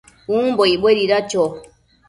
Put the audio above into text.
umbo icbuedida cho?